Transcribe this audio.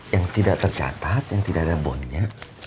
yang tidak tercatat yang tidak ada bondnya